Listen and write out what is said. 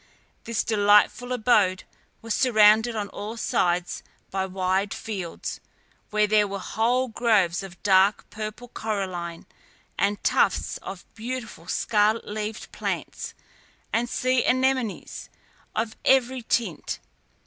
This delightful abode was surrounded on all sides by wide fields, where there were whole groves of dark purple coralline, and tufts of beautiful scarlet leaved plants, and sea anemones of every tint.